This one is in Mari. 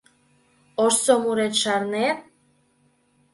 Ожсо мурет шарнет?